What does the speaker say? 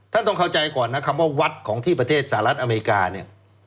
ต้องเข้าใจก่อนนะครับว่าวัดของที่ประเทศสหรัฐอเมริกาเนี่ย